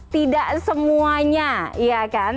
tidak semuanya iya kan